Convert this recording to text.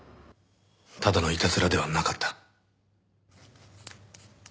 ただのいたずらではなかった。